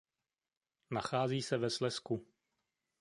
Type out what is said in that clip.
Nachází se ve Slezsku.